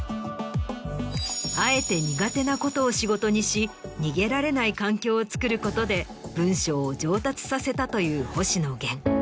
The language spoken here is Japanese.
あえて苦手なことを仕事にし逃げられない環境をつくることで文章を上達させたという星野源。